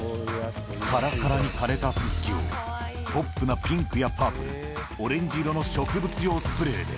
からからに枯れたススキを、ポップなピンクやパープル、オレンジ色の植物用スプレーで。